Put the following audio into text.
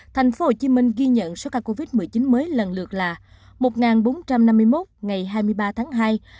thành phố hồ chí minh ghi nhận số ca covid một mươi chín mới lần lượt là một bốn trăm năm mươi một ngày hai mươi ba tháng hai